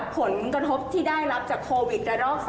ผลกระทบที่ได้รับจากโควิดระลอก๓